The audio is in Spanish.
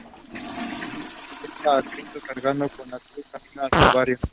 Representa a Cristo cargando con la cruz camino del Calvario.